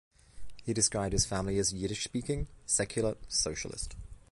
He described his family as Yiddish speaking, secular, socialist.